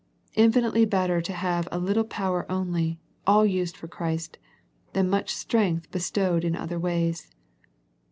Infinitely better to have a little power only, all used for Christ, than much strength bestowed in other ways.